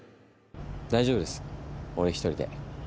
大丈夫です俺１人で。